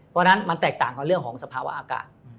เพราะฉะนั้นมันแตกต่างกับเรื่องของสภาวะอากาศ